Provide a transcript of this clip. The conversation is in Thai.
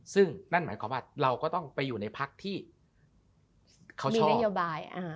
ซึ่งนั่นหมายความว่าเราก็ต้องไปอยู่ในพักที่เขาชอบนโยบาย